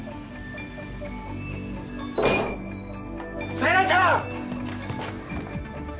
星名ちゃん！